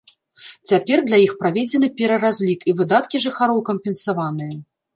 Цяпер для іх праведзены пераразлік, і выдаткі жыхароў кампенсаваныя.